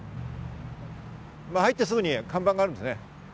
入ってすぐに看板があるんですね。